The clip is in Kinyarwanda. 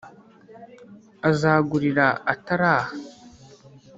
azagurira atari aha”